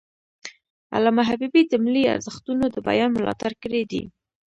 علامه حبیبي د ملي ارزښتونو د بیان ملاتړ کړی دی.